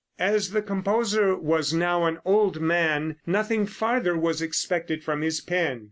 As the composer was now an old man nothing farther was expected from his pen.